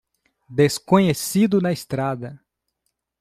Desconhecido na estrada